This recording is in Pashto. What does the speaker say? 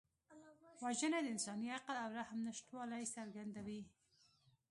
وژنه د انساني عقل او رحم نشتوالی څرګندوي